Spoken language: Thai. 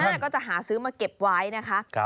ก็จะหาซื้อมาเก็บไว้นะคะ